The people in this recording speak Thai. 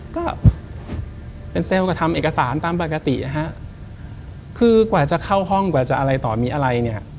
ก็เป็นเซลล์ก็ทำเอกสารตามปกตินะฮะคือกว่าจะเข้าห้องกว่าจะอะไรต่อมีอะไรเนี่ย